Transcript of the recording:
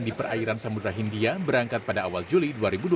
di perairan samudera hindia berangkat pada awal juli dua ribu dua puluh